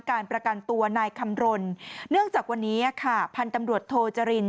การประกันตัวนายคำรณเนื่องจากวันนี้ค่ะพันธุ์ตำรวจโทจริน